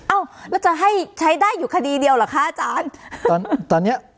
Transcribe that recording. อ้าวแล้วจะให้ใช้ได้อยู่คดีเดียวหรือคะอาจารย์